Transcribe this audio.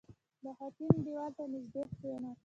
• د خټین دیوال ته نژدې کښېنه.